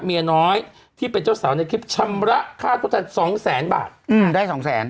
เมียน้อยที่เป็นเจ้าสาวในคลิปชำระค่าทดแทน๒แสนบาทได้สองแสน